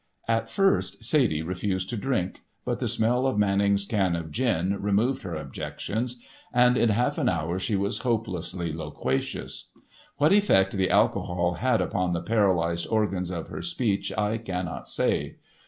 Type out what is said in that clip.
At first Sadie refused to drink, but the smell of Manning's can of gin removed her objections, and in half an hour she was hopelessly loquacious. What effect the alcohol had upon the paralysed organs of her speech I cannot say.